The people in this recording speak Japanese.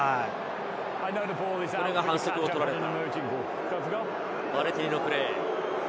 これが反則を取られたヴァレティニのプレー。